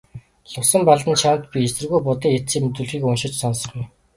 Лувсанбалдан чамд би эсэргүү Будын эцсийн мэдүүлгийг уншиж сонсгоё.